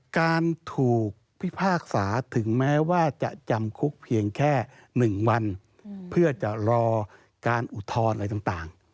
การถูกพิพากษาถึงแม้ว่าจะจำคุกเพียงแค่๑วันเพื่อจะรอการอุทธรณ์อะไรต่าง